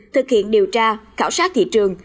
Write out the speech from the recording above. thực hiện điều tra khảo sát thị trường